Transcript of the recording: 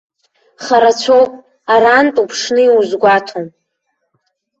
Харацәоуп, арантә уԥшны иузгәаҭом.